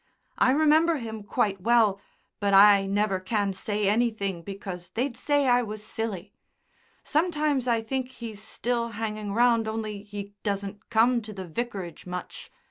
I remember him quite well, but I never can say anything because they'd say I was silly. Sometimes I think he's still hanging round only he doesn't come to the vicarage much.